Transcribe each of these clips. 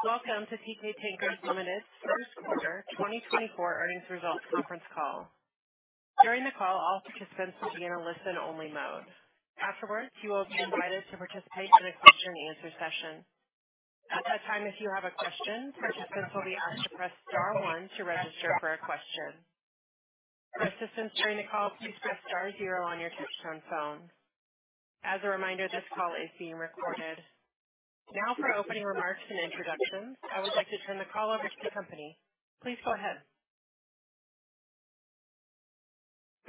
Welcome to Teekay Tankers Limited's First Quarter 2024 Earnings Results Conference Call. During the call, all participants will be in a listen-only mode. Afterwards, you will be invited to participate in a question-and-answer session. At that time, if you have a question, participants will be asked to press star one to register for a question. For assistance during the call, please press star zero on your touchtone phone. As a reminder, this call is being recorded. Now for opening remarks and introductions, I would like to turn the call over to the company. Please go ahead.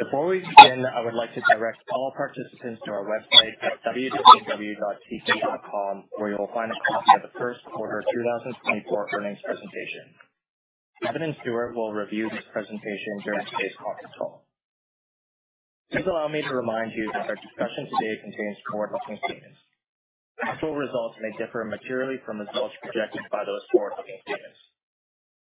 Before we begin, I would like to direct all participants to our website at www.teekay.com, where you will find a copy of the first quarter 2024 earnings presentation. Stewart Andrade will review this presentation during today's conference call. Please allow me to remind you that our discussion today contains forward-looking statements. Actual results may differ materially from results projected by those forward-looking statements.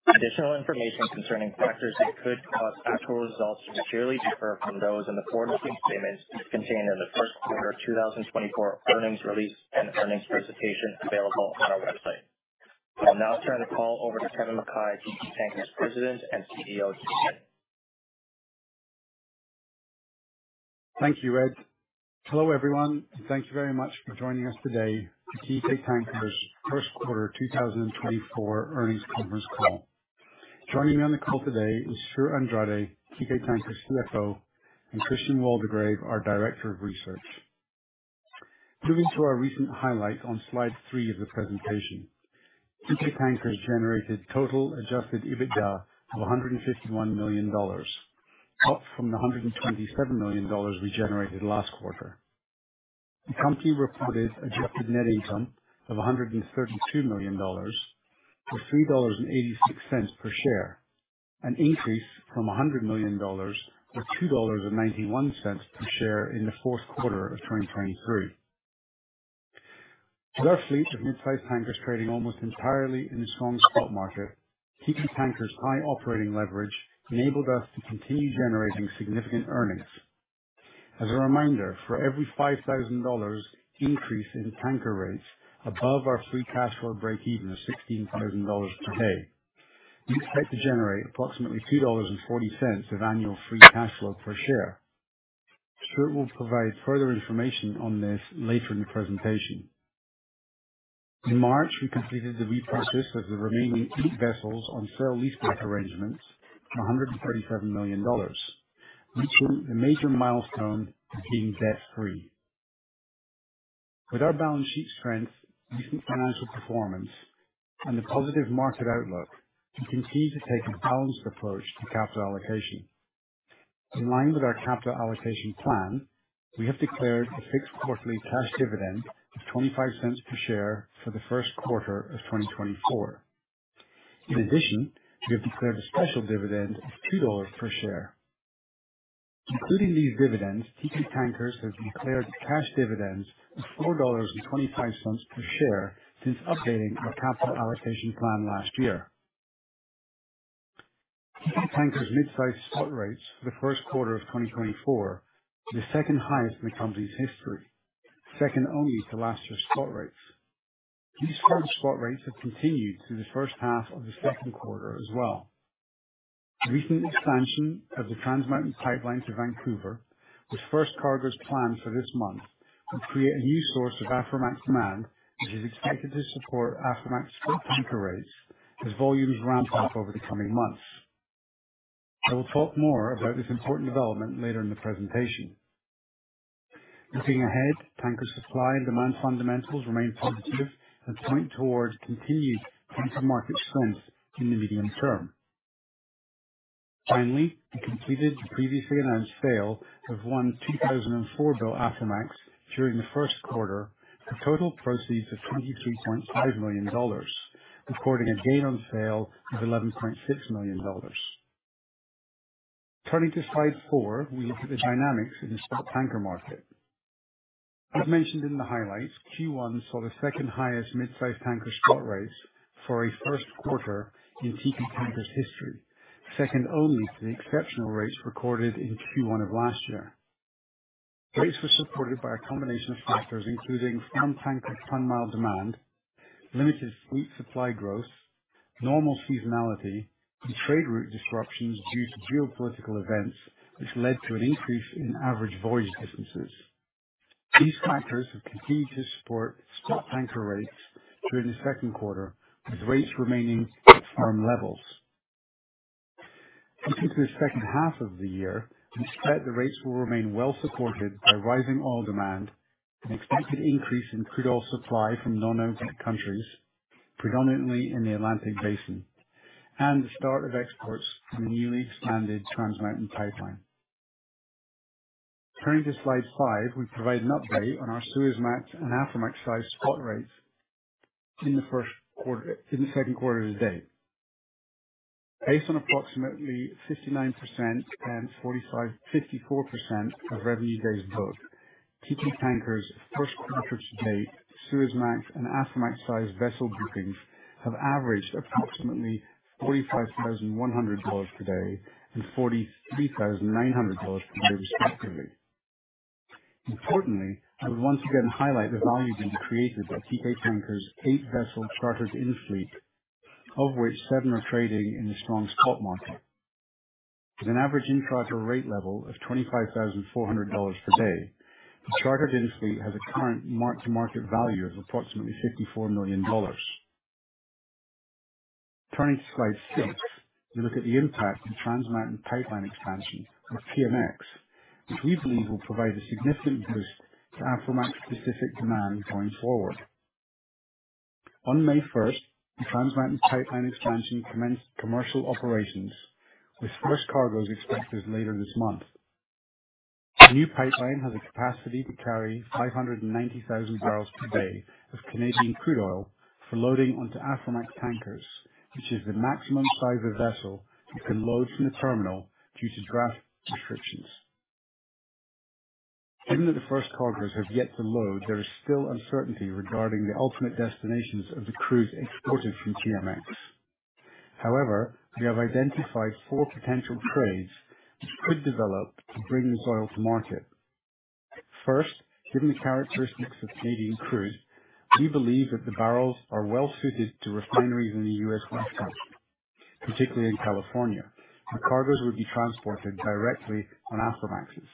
Additional information concerning factors that could cause actual results to materially differ from those in the forward-looking statements is contained in the first quarter 2024 earnings release and earnings presentation available on our website. I'll now turn the call over to Kevin Mackay, Teekay Tankers President and CEO. Thank you, Ed. Hello, everyone, and thank you very much for joining us today for Teekay Tankers' first quarter 2024 earnings conference call. Joining me on the call today is Stewart Andrade, Teekay Tankers' CFO, and Christian Waldegrave, our Director of Research. Moving to our recent highlights on slide 3 of the presentation. Teekay Tankers generated total Adjusted EBITDA of $151 million, up from the $127 million we generated last quarter. The company reported adjusted net income of $132 million, or $3.86 per share, an increase from $100 million, or $2.91 per share in the fourth quarter of 2023. With our fleet of midsize tankers trading almost entirely in a strong spot market, Teekay Tankers' high operating leverage enabled us to continue generating significant earnings. As a reminder, for every $5,000 increase in tanker rates above our free cash flow breakeven of $16,000 per day, we expect to generate approximately $2.40 of annual free cash flow per share. Stewart will provide further information on this later in the presentation. In March, we completed the repurchase of the remaining 8 vessels on sale-leaseback arrangements for $137 million, reaching the major milestone of being debt-free. With our balance sheet strength, recent financial performance, and the positive market outlook, we continue to take a balanced approach to capital allocation. In line with our capital allocation plan, we have declared a fixed quarterly cash dividend of $0.25 per share for the first quarter of 2024. In addition, we have declared a special dividend of $2 per share. Including these dividends, Teekay Tankers has declared cash dividends of $4.25 per share since updating our capital allocation plan last year. Teekay Tankers' midsize spot rates for the first quarter of 2024 were the second highest in the company's history, second only to last year's spot rates. These current spot rates have continued through the first half of the second quarter as well. The recent expansion of the Trans Mountain Pipeline to Vancouver, with first cargoes planned for this month, will create a new source of Aframax demand, which is expected to support Aframax tanker rates as volumes ramp up over the coming months. I will talk more about this important development later in the presentation. Looking ahead, tanker supply and demand fundamentals remain positive and point towards continued tanker market strength in the medium term. Finally, we completed the previously announced sale of one 2004-built Aframax during the first quarter for total proceeds of $23.5 million, recording a gain on sale of $11.6 million. Turning to slide 4, we look at the dynamics in the spot tanker market. As mentioned in the highlights, Q1 saw the second highest midsize tanker spot rates for a first quarter in Teekay Tankers history, second only to the exceptional rates recorded in Q1 of last year. Rates were supported by a combination of factors, including strong tanker ton-mile demand, limited fleet supply growth, normal seasonality, and trade route disruptions due to geopolitical events, which led to an increase in average voyage distances. These factors have continued to support spot tanker rates during the second quarter, with rates remaining at firm levels. Looking to the second half of the year, we expect the rates will remain well supported by rising oil demand, an expected increase in crude oil supply from non-OPEC countries, predominantly in the Atlantic Basin, and the start of exports from the newly expanded Trans Mountain Pipeline. Turning to slide 5, we provide an update on our Suezmax and Aframax-sized spot rates in the first quarter, in the second quarter to date. Based on approximately 59% and 54% of revenue days booked, Teekay Tankers' second quarter to date Suezmax and Aframax-sized vessel bookings have averaged approximately $45,100 per day and $43,900 per day, respectively. Importantly, I would once again highlight the value being created by Teekay Tankers' 8-vessel chartered-in fleet, of which seven are trading in the strong spot market. With an average in-charter rate level of $25,400 per day, the chartered-in fleet has a current mark-to-market value of approximately $54 million. Turning to slide 6, we look at the impact of Trans Mountain Pipeline Expansion, or TMX, which we believe will provide a significant boost to Aframax Pacific demand going forward. On May first, the Trans Mountain Pipeline Expansion commenced commercial operations, with first cargoes expected later this month. The new pipeline has a capacity to carry 590,000 barrels per day of Canadian crude oil for loading onto Aframax tankers, which is the maximum size of vessel that can load from the terminal due to draft restrictions. Given that the first cargoes have yet to load, there is still uncertainty regarding the ultimate destinations of the crude exported from TMX. However, we have identified four potential trades which could develop to bring this oil to market. First, given the characteristics of Canadian crude, we believe that the barrels are well-suited to refineries in the U.S. West Coast, particularly in California. The cargoes would be transported directly on Aframaxes.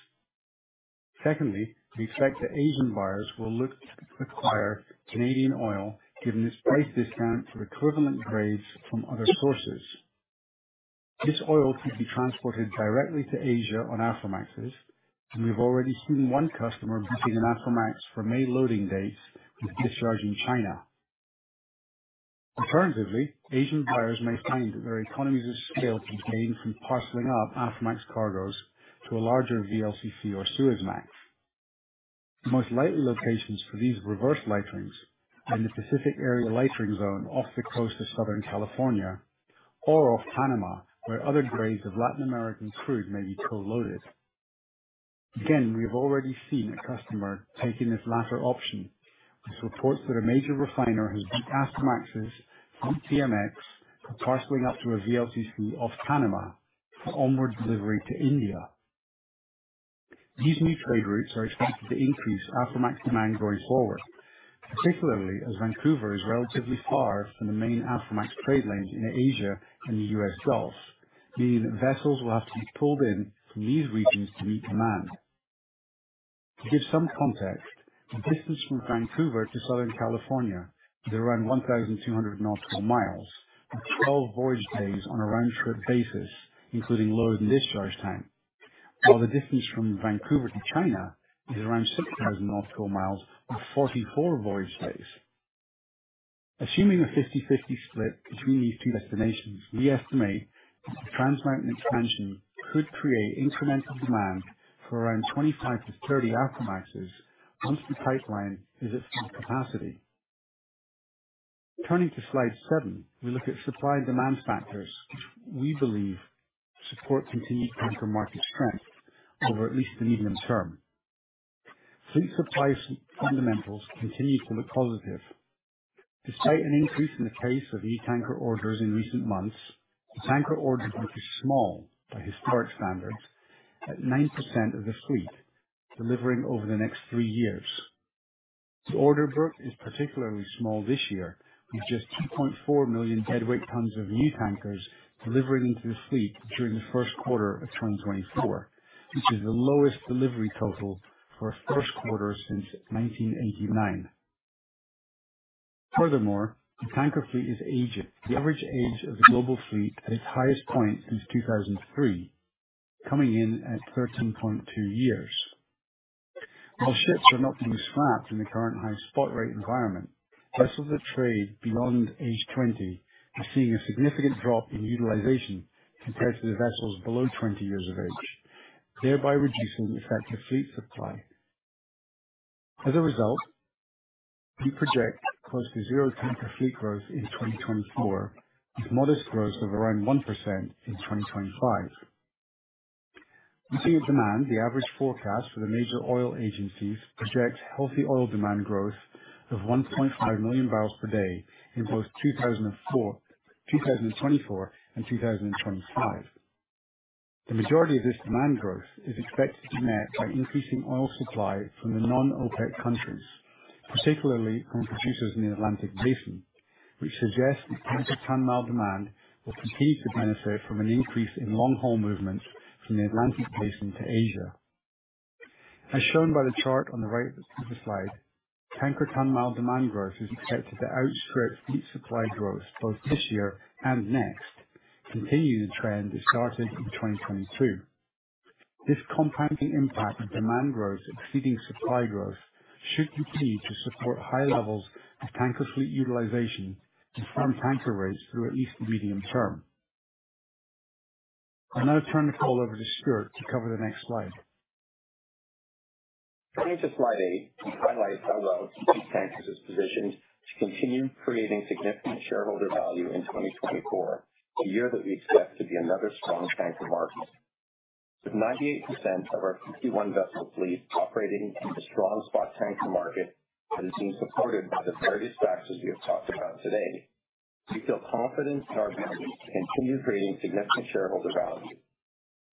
Secondly, we expect that Asian buyers will look to acquire Canadian oil, given its price discount to equivalent grades from other sources. This oil could be transported directly to Asia on Aframaxes, and we've already seen one customer booking an Aframax for May loading dates with discharge in China. Alternatively, Asian buyers may find that their economies of scale can gain from parceling up Aframax cargoes to a larger VLCC or Suezmax. The most likely locations for these reverse lighterings are in the Pacific Area Lightering Zone off the coast of Southern California or off Panama, where other grades of Latin American crude may be co-loaded. Again, we have already seen a customer taking this latter option, which reports that a major refiner has booked Aframaxes on TMX for parceling up to a VLCC off Panama for onward delivery to India. These new trade routes are expected to increase Aframax demand going forward, particularly as Vancouver is relatively far from the main Aframax trade lanes in Asia and the US Gulf, meaning that vessels will have to be pulled in from these regions to meet demand. To give some context, the distance from Vancouver to Southern California is around 1,200 nautical miles, with 12 voyage days on a round-trip basis, including load and discharge time, while the distance from Vancouver to China is around 6,000 nautical miles and 44 voyage days. Assuming a 50/50 split between these two destinations, we estimate that the Trans Mountain Expansion could create incremental demand for around 25-30 Aframaxes, once the pipeline is at full capacity. Turning to slide 7, we look at supply and demand factors, which we believe support continued tanker market strength over at least the medium term. Fleet supply fundamentals continue to look positive. Despite an increase in the pace of new tanker orders in recent months, the tanker order book is small by historic standards, at 9% of the fleet, delivering over the next 3 years. The order book is particularly small this year, with just 2.4 million deadweight tons of new tankers delivering into the fleet during the first quarter of 2024, which is the lowest delivery total for a first quarter since 1989. Furthermore, the tanker fleet is aging. The average age of the global fleet at its highest point since 2003, coming in at 13.2 years. While ships are not being scrapped in the current high spot rate environment, vessels that trade beyond age 20 are seeing a significant drop in utilization compared to the vessels below 20 years of age, thereby reducing the effective fleet supply. As a result, we project close to zero tanker fleet growth in 2024, with modest growth of around 1% in 2025. Looking at demand, the average forecast for the major oil agencies projects healthy oil demand growth of 1.5 million barrels per day in both 2024 and 2025. The majority of this demand growth is expected to be met by increasing oil supply from the non-OPEC countries, particularly from producers in the Atlantic Basin, which suggests that tanker ton-mile demand will continue to benefit from an increase in long-haul movements from the Atlantic Basin to Asia. As shown by the chart on the right of the slide, tanker ton-mile demand growth is expected to outstrip fleet supply growth both this year and next, continuing the trend that started in 2022. This compounding impact of demand growth exceeding supply growth should continue to support high levels of tanker fleet utilization and firm tanker rates through at least the medium term. I'll now turn the call over to Stewart to cover the next slide. Turning to slide eight, we highlight how well Teekay Tankers is positioned to continue creating significant shareholder value in 2024, a year that we expect to be another strong tanker market. With 98% of our 51-vessel fleet operating in the strong spot tanker market, that is being supported by the various factors we have talked about today. We feel confident in our ability to continue creating significant shareholder value.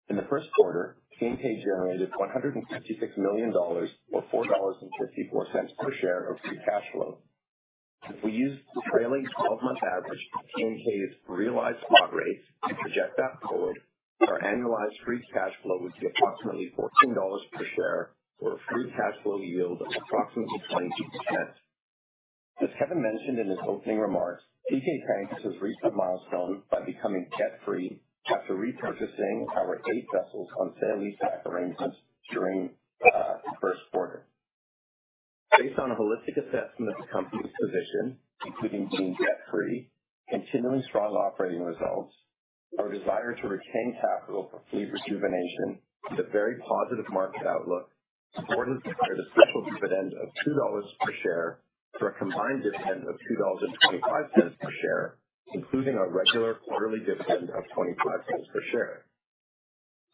In the first quarter, Teekay generated $156 million, or $4.54 per share of free cash flow. If we use the trailing twelve-month average, Teekay's realized spot rates and project that forward, our annualized free cash flow would be approximately $14 per share, or a free cash flow yield of approximately 22%. As Kevin mentioned in his opening remarks, Teekay Tankers has reached a milestone by becoming debt-free after repurchasing our 8 vessels on sale-leaseback arrangements during the first quarter. Based on a holistic assessment of the company's position, including being debt-free, continually strong operating results, our desire to retain capital for fleet rejuvenation, the very positive market outlook, the board has declared a special dividend of $2 per share for a combined dividend of $2.25 per share, including our regular quarterly dividend of $0.25 per share.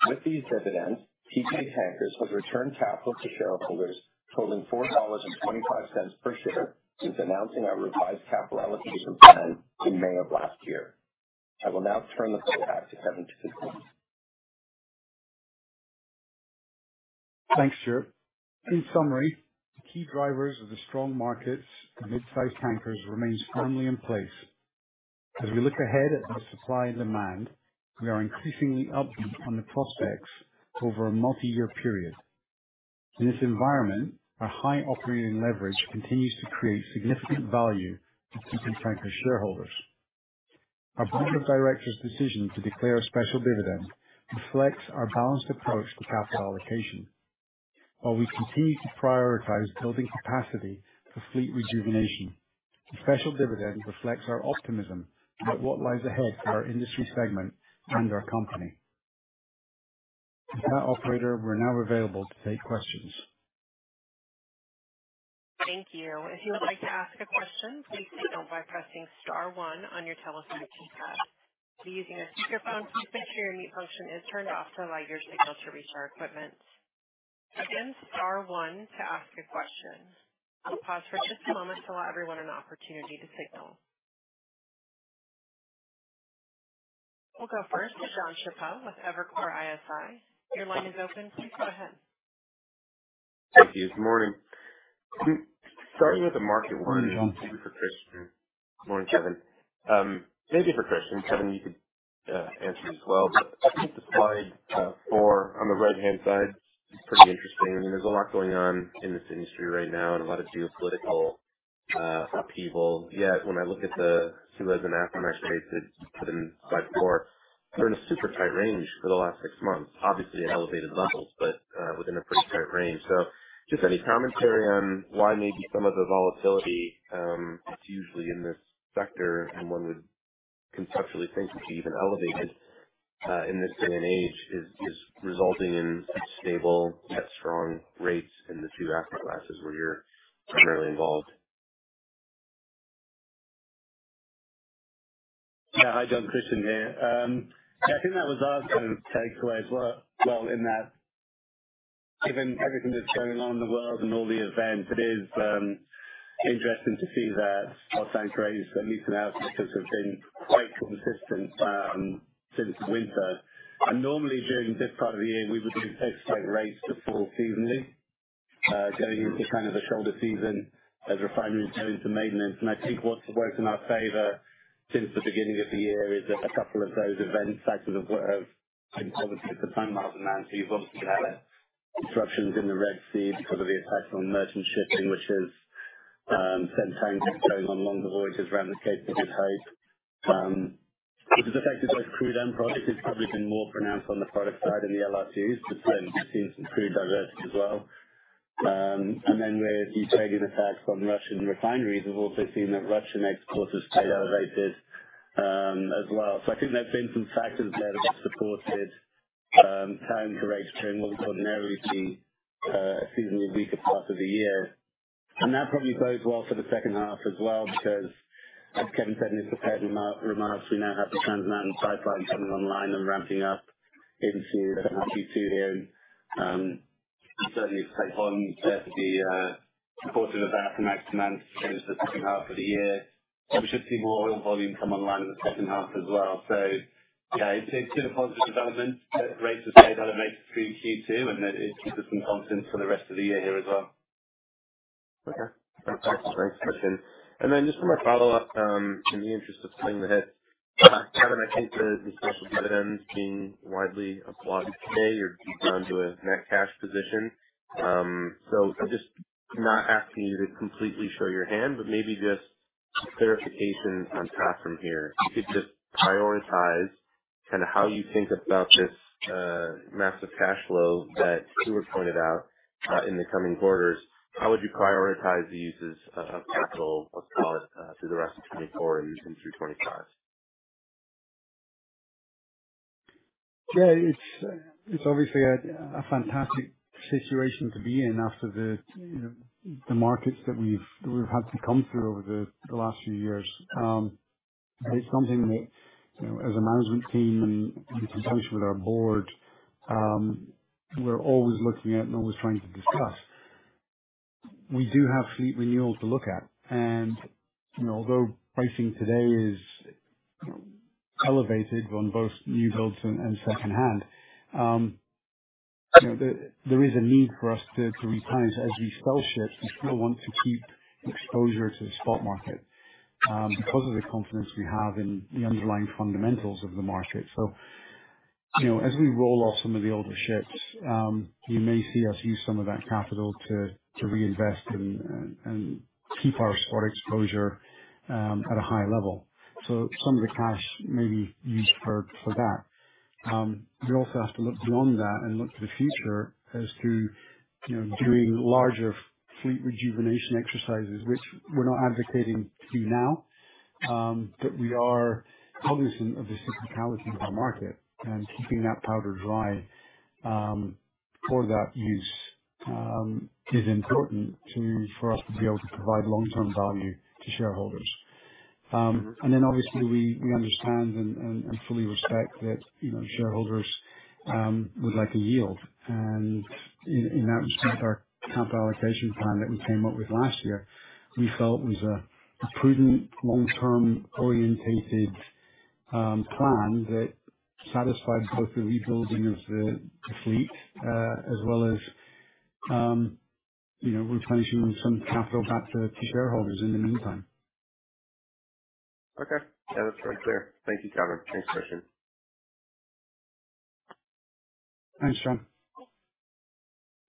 With these dividends, Teekay Tankers has returned capital to shareholders totaling $4.25 per share since announcing our revised capital allocation plan in May of last year. I will now turn the call back to Kevin Mackay. Thanks, Stewart. In summary, the key drivers of the strong markets for midsize tankers remains firmly in place. As we look ahead at the supply and demand, we are increasingly upbeat on the prospects over a multi-year period. In this environment, our high operating leverage continues to create significant value for Teekay Tankers shareholders. Our board of directors' decision to declare a special dividend reflects our balanced approach to capital allocation. While we continue to prioritize building capacity for fleet rejuvenation, the special dividend reflects our optimism about what lies ahead for our industry segment and our company. With that, operator, we're now available to take questions. Thank you. If you would like to ask a question, please signal by pressing star one on your telephone keypad. If you're using a speakerphone, please make sure your mute function is turned off to allow your signal to reach our equipment. Again, star one to ask a question. I'll pause for just a moment to allow everyone an opportunity to signal. We'll go first to Jon Chappell with Evercore ISI. Your line is open. Please go ahead. Thank you. Good morning. Starting with the market one- Good morning, Jon. For Christian. Good morning, Kevin. Maybe for Christian. Kevin, you could answer as well, but I think the slide four on the right-hand side is pretty interesting. I mean, there's a lot going on in this industry right now and a lot of geopolitical upheaval. Yet, when I look at the two as an outcome, actually, it's in slide four, we're in a super tight range for the last six months. Obviously at elevated levels, but within a pretty tight range. So just any commentary on why maybe some of the volatility usually in this sector, and one would conceptually think would be even elevated in this day and age, is resulting in stable, yet strong rates in the two asset classes where you're primarily involved? Yeah. Hi, Jon, Christian here. I think that was our kind of takeaway as well, well, in that given everything that's going on in the world and all the events, it is interesting to see that our tank rates, at least in our systems, have been quite consistent since the winter. And normally, during this part of the year, we would be anticipating rates to fall seasonally going into kind of a shoulder season as refineries go into maintenance. And I think what's worked in our favor since the beginning of the year is that a couple of those events, cycles have been positive for ton-mile demand. So you've obviously had disruptions in the Red Sea because of the impact on merchant shipping, which is sending tankers going on longer voyages around the Cape of Good Hope. Which has affected both crude and product. It's probably been more pronounced on the product side in the LR2s, but then we've seen some crude diversity as well. And then with the targeted attacks on Russian refineries, we've also seen that Russian exports stay elevated, as well. So I think there's been some factors there that have supported time to rate during what would ordinarily be a seasonally weaker part of the year. And that probably bodes well for the second half as well, because as Kevin said in his prepared remarks, we now have the Trans Mountain Pipeline coming online and ramping up into the Q2 here. Certainly, it's hard for them to be supportive of that for the next month into the second half of the year. So we should see more oil volume come online in the second half as well. So yeah, it's a positive development. Great to say that it makes through Q2, and it keeps us in confidence for the rest of the year here as well. Okay. Thanks, Christian. And then just for my follow-up, in the interest of staying with it, Kevin, I think the special dividends being widely applauded today are due to a net cash position. So just not asking you to completely show your hand, but maybe just clarification on top from here. If you could just prioritize kind of how you think about this, massive cash flow that Stewart pointed out, in the coming quarters, how would you prioritize the uses of capital, let's call it, through the rest of 2024 and through 2025? Yeah, it's obviously a fantastic situation to be in after the, you know, the markets that we've had to come through over the last few years. It's something that, you know, as a management team, in consultation with our board, we're always looking at and always trying to discuss. We do have fleet renewals to look at. And, you know, although pricing today is, you know, elevated on both new builds and secondhand, you know, there is a need for us to replenish as we sell ships. We still want to keep exposure to the spot market, because of the confidence we have in the underlying fundamentals of the market. So, you know, as we roll off some of the older ships, you may see us use some of that capital to reinvest and keep our spot exposure at a high level. So some of the cash may be used for that. You also have to look beyond that and look to the future as to, you know, doing larger fleet rejuvenation exercises, which we're not advocating to do now. But we are cognizant of the cyclicality of the market, and keeping that powder dry for that use is important for us to be able to provide long-term value to shareholders. And then obviously, we understand and fully respect that, you know, shareholders would like a yield. In that respect, our capital allocation plan that we came up with last year, we felt was a prudent, long-term orientated plan that satisfied both the rebuilding of the fleet, as well as, you know, replenishing some capital back to shareholders in the meantime. Okay. Yeah, that's very clear. Thank you, Trevor. Thanks, Christian. Thanks, Jon.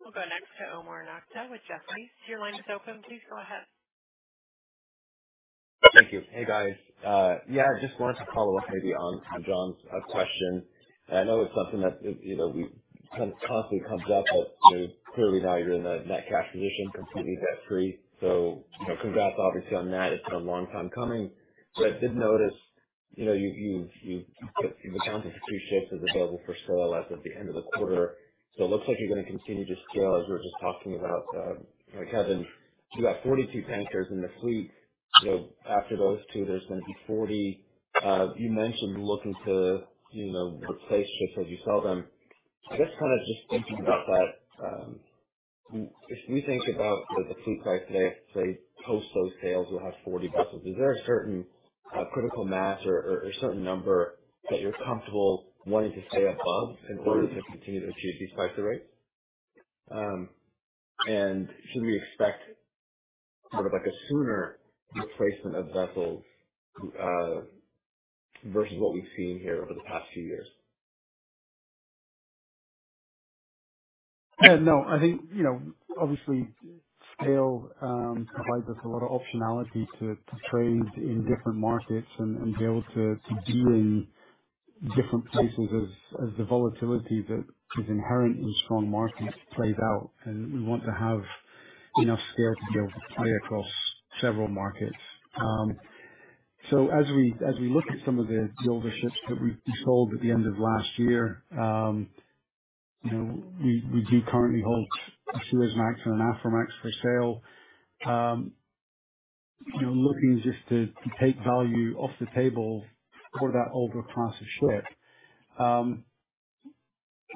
We'll go next to Omar Nokta with Jefferies. Your line is open. Please go ahead. Thank you. Hey, guys. Yeah, I just wanted to follow up maybe on John's question. I know it's something that, you know, kind of constantly comes up, but, you know, clearly now you're in a net cash position, completely debt free. So, you know, congrats obviously on that. It's been a long time coming. But I did notice, you know, you've accounted for 2 ships as available for sale, as of the end of the quarter. So it looks like you're going to continue to scale, as we were just talking about, with Kevin. You've got 42 tankers in the fleet. You know, after those 2, there's going to be 40. You mentioned looking to, you know, replace ships as you sell them. I guess kind of just thinking about that, if we think about the fleet size today, say, post those sales, we'll have 40 vessels. Is there a certain critical mass or certain number that you're comfortable wanting to stay above in order to continue to achieve these types of rates? And should we expect sort of like a sooner replacement of vessels versus what we've seen here over the past few years? No, I think, you know, obviously scale provides us a lot of optionality to trade in different markets and be able to be in different pieces of the volatility that is inherent in strong markets played out. We want to have enough scale to be able to play across several markets. So as we look at some of the older ships that we sold at the end of last year, you know, we do currently hold a Suezmax and an Aframax for sale. You know, looking just to take value off the table for that older class of ship.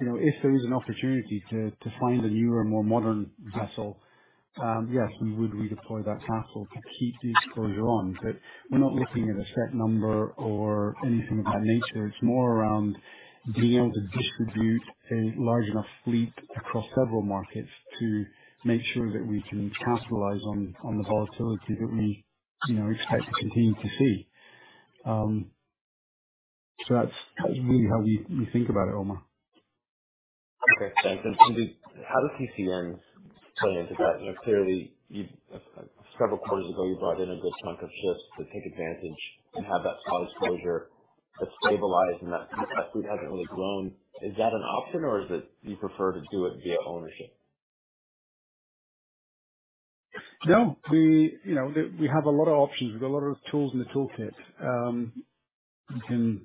You know, if there is an opportunity to find a newer and more modern vessel, yes, we would redeploy that capital to keep the exposure on. We're not looking at a set number or anything of that nature. It's more around being able to distribute a large enough fleet across several markets to make sure that we can capitalize on the volatility that we, you know, expect to continue to see. That's really how we think about it, Omar. Okay. And how does TC-in play into that? You know, clearly, you've several quarters ago, you brought in a good chunk of ships to take advantage and have that spot exposure to stabilize, and that fleet hasn't really grown. Is that an option, or is it you prefer to do it via ownership? No, we... You know, we have a lot of options. We've got a lot of tools in the toolkit. We can,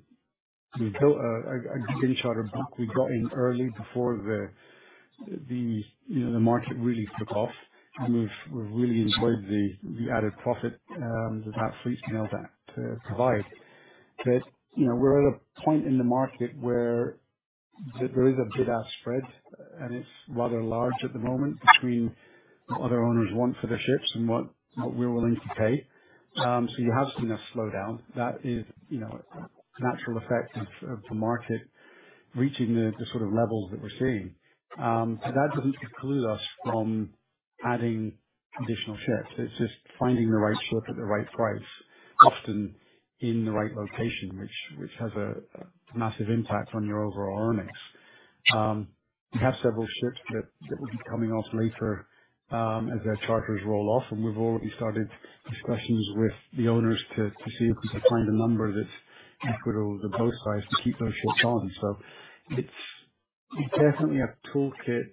we built a in-charter, but we got in early before the, you know, the market really took off. And we've really enjoyed the added profit that that fleet was able to provide. But, you know, we're at a point in the market where there is a bid-ask spread, and it's rather large at the moment between what other owners want for their ships and what we're willing to pay. So you have seen a slowdown that is, you know, a natural effect of the market reaching the sort of levels that we're seeing. So that doesn't preclude us from adding additional ships. It's just finding the right ship at the right price, often in the right location, which has a massive impact on your overall earnings. We have several ships that will be coming off later, as their charters roll off, and we've already started discussions with the owners to see if we can find a number that's equitable to both sides to keep those ships on. So it's definitely a toolkit,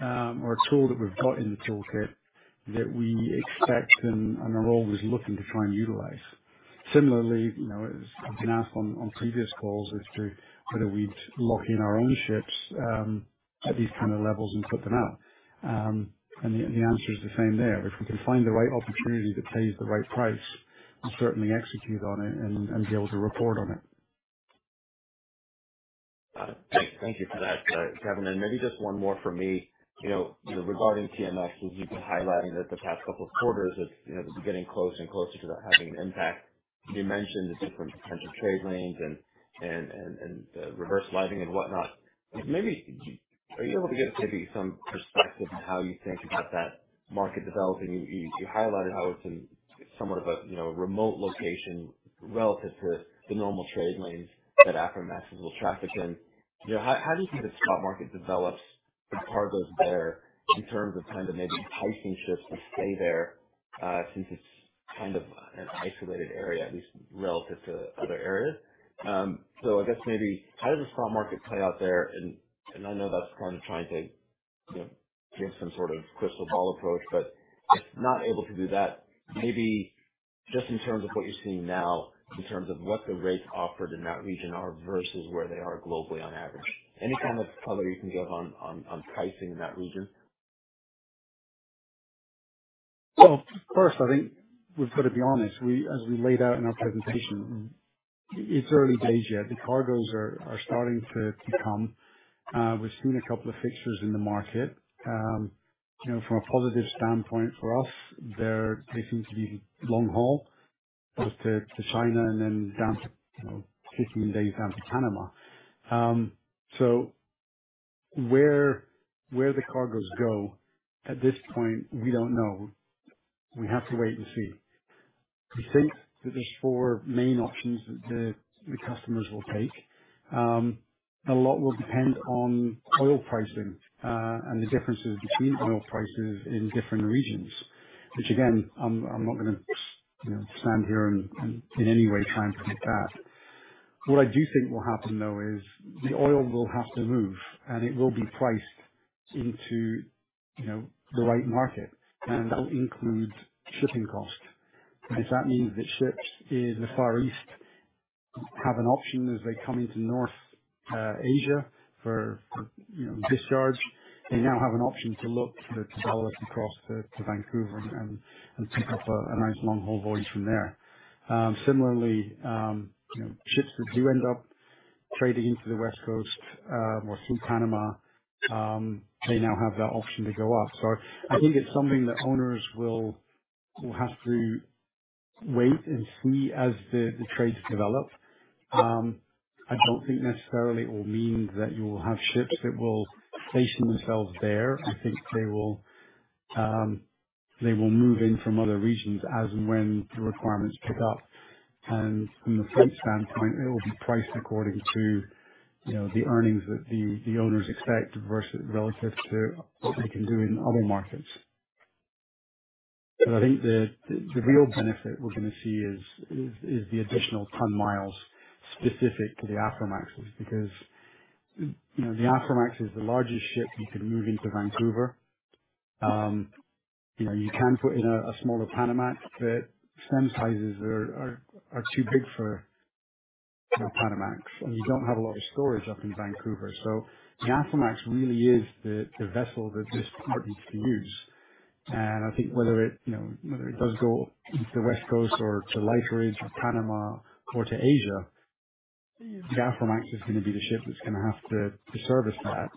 or a tool that we've got in the toolkit that we expect and are always looking to try and utilize. Similarly, you know, as I've been asked on previous calls, as to whether we'd lock in our own ships, at these kind of levels and put them out. And the answer is the same there. If we can find the right opportunity that pays the right price, we'll certainly execute on it and be able to report on it.... Thank you for that, Kevin. And maybe just one more from me. You know, regarding TMX, you've been highlighting that the past couple of quarters of, you know, getting closer and closer to that having an impact. You mentioned the different potential trade lanes and reverse lightering and whatnot. Maybe, are you able to give maybe some perspective on how you think about that market developing? You highlighted how it's in somewhat of a, you know, remote location relative to the normal trade lanes that Aframaxes will traffic in. You know, how do you see the spot market develops for cargoes there in terms of kind of maybe pricing shifts to stay there, since it's kind of an isolated area, at least relative to other areas? So, I guess maybe how does the spot market play out there? And I know that's kind of trying to, you know, give some sort of crystal ball approach, but if not able to do that, maybe just in terms of what you're seeing now, in terms of what the rates offered in that region are versus where they are globally on average. Any kind of color you can give on pricing in that region? Well, first, I think we've got to be honest. We, as we laid out in our presentation, it's early days yet. The cargoes are starting to come. We've seen a couple of fixtures in the market. You know, from a positive standpoint for us, they seem to be long haul, both to China and then down to, you know, 15 days down to Panama. So where the cargoes go, at this point, we don't know. We have to wait and see. We think that there's four main options that the customers will take. A lot will depend on oil pricing and the differences between oil prices in different regions, which again, I'm not going to, you know, stand here and in any way try and predict that. What I do think will happen, though, is the oil will have to move, and it will be priced into, you know, the right market, and that will include shipping costs. If that means that ships in the Far East have an option as they come into North Asia for, you know, discharge, they now have an option to look to sail across to Vancouver and pick up a nice long haul voyage from there. Similarly, you know, ships that do end up trading into the West Coast or through Panama, they now have that option to go west. So I think it's something that owners will have to wait and see as the trades develop. I don't think necessarily it will mean that you will have ships that will station themselves there. I think they will, they will move in from other regions as and when the requirements pick up. And from a fleet standpoint, it will be priced according to, you know, the earnings that the owners expect versus relative to what they can do in other markets. But I think the real benefit we're going to see is the additional ton miles specific to the Aframaxes, because, you know, the Aframax is the largest ship you can move into Vancouver. You know, you can put in a smaller Panamax, but some sizes are too big for, you know, Panamax, and you don't have a lot of storage up in Vancouver. So the Aframax really is the vessel that this market can use. I think whether it, you know, whether it does go to the West Coast or to Korea or Panama or to Asia, the Aframax is going to be the ship that's going to have to service that.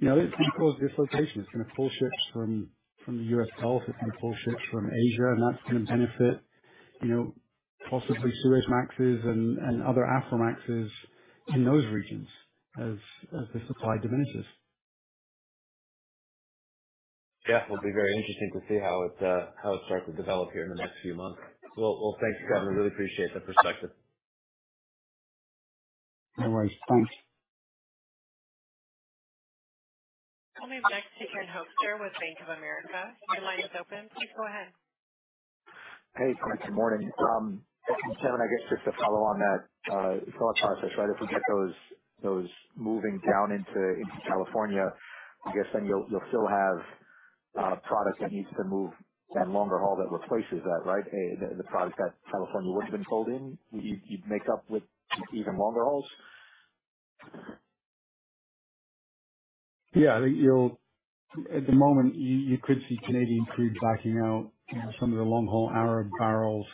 You know, it's going to cause dislocation. It's going to pull ships from the U.S. Gulf. It's going to pull ships from Asia, and that's going to benefit, you know, possibly Suezmaxes and other Aframaxes in those regions as the supply diminishes. Yeah, it will be very interesting to see how it, how it starts to develop here in the next few months. Well, well, thank you, Kevin. I really appreciate the perspective. No worries. Thanks. We'll move next to Ken Hoexter with Bank of America. Your line is open. Please go ahead. Hey, good morning. Kevin, I guess just to follow on that process, right? If we get those moving down into California, I guess then you'll still have product that needs to move that longer haul that replaces that, right? The product that California would have been pulled in, you'd make up with even longer hauls? Yeah. I think you'll... At the moment, you could see Canadian crude backing out some of the long-haul Arab barrels,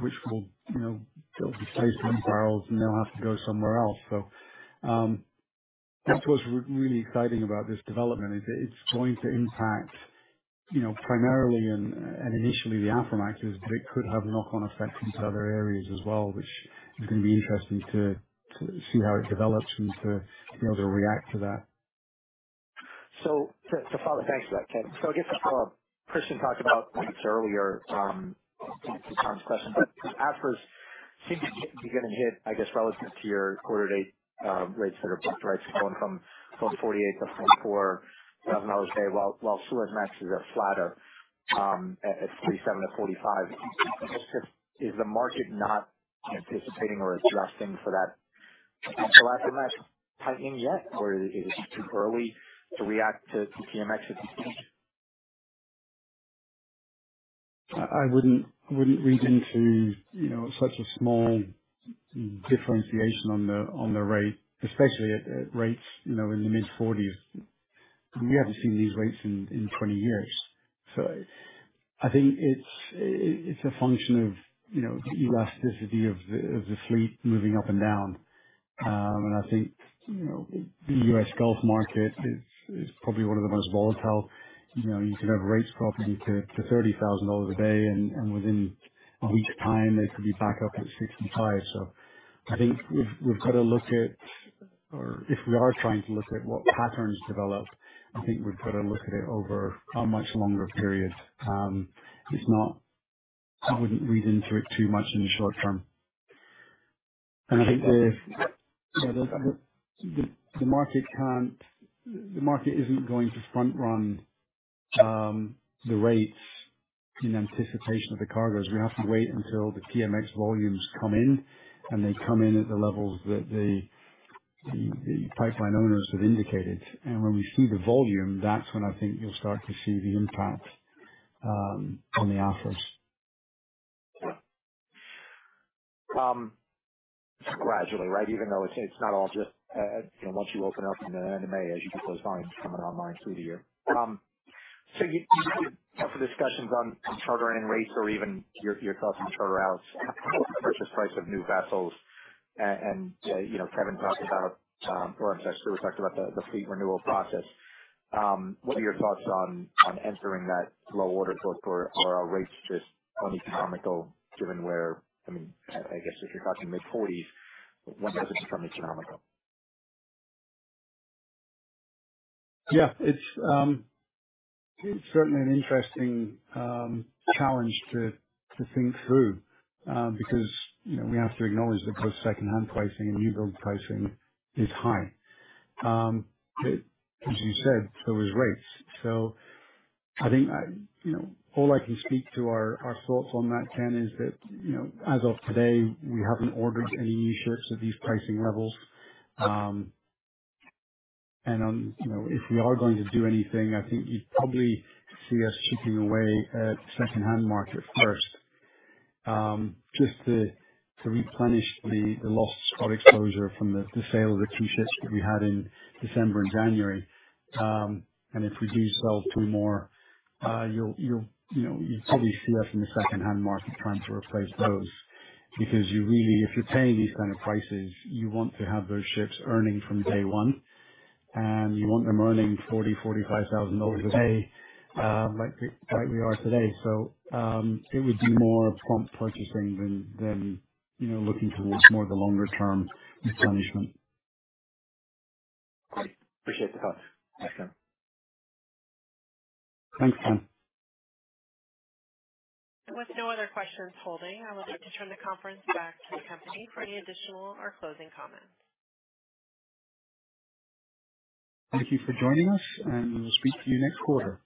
which will, you know, they'll be placed in barrels and they'll have to go somewhere else. So, that's what's really exciting about this development, is that it's going to impact, you know, primarily and initially the Aframaxes, but it could have knock-on effects into other areas as well, which is going to be interesting to see how it develops and to be able to react to that. So far, thanks for that, Ken. I guess Christian talked about this earlier in Jon's question, but Aframaxes seem to be getting hit, I guess, relative to your quarter-to-date rates that are going from $48,000-$44,000 a day, while Suezmaxes are flatter at $37,000-$45,000. Is the market not anticipating or adjusting for that, the Aframax tightening yet, or is it too early to react to TMX at this point? I wouldn't read into you know such a small differentiation on the rate, especially at rates you know in the mid-40s. We haven't seen these rates in 20 years. So I think it's a function of you know the elasticity of the fleet moving up and down. And I think you know the U.S. Gulf market is probably one of the most volatile. You know you could have rates dropping to $30,000 a day and within a week's time they could be back up at $65,000. So I think we've got to look at it... Or if we are trying to look at what patterns develop I think we've got to look at it over a much longer period. It's not. I wouldn't read into it too much in the short term. And I think the market can't. The market isn't going to front run the rates in anticipation of the cargoes. We have to wait until the TMX volumes come in, and they come in at the levels that the pipeline owners have indicated. When we see the volume, that's when I think you'll start to see the impact on the Aframax. Gradually, right? Even though it's not all just, you know, once you open up in the end of May, as you get those volumes coming online through the year. So you have the discussions on chartering rates or even your thoughts on charter out versus price of new vessels. And you know, Kevin talked about, or I'm sorry, Stewart talked about the fleet renewal process. What are your thoughts on entering that low order book, or are our rates just uneconomical given where... I mean, I guess if you're talking mid-40s, when does it become economical? Yeah, it's, it's certainly an interesting challenge to think through, because, you know, we have to acknowledge that both secondhand pricing and new build pricing is high. As you said, so is rates. So I think, you know, all I can speak to are our thoughts on that, Ken, is that, you know, as of today, we haven't ordered any ships at these pricing levels. And, you know, if we are going to do anything, I think you'd probably see us shopping away at secondhand market first, just to replenish the loss of exposure from the sale of the two ships that we had in December and January. And if we do sell two more, you know, you'd probably see us in the secondhand market trying to replace those. Because you really, if you're paying these kind of prices, you want to have those ships earning from day one, and you want them earning $40,000-$45,000 a day, like we, like we are today. So, it would be more of prompt purchasing than, you know, looking towards more of the longer term replenishment. Great. Appreciate the thoughts. Thanks, Kevin. Thanks, Ken. With no other questions holding, I would like to turn the conference back to the company for any additional or closing comments. Thank you for joining us, and we'll speak to you next quarter.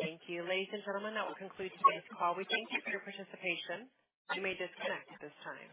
Thank you. Ladies and gentlemen, that will conclude today's call. We thank you for your participation. You may disconnect at this time.